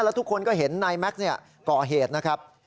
แล้วทุกคนก็เห็นนายแม็กซ์ก่อเหตุนะครับ